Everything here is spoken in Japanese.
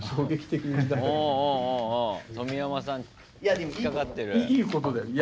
冨山さん引っ掛かってる。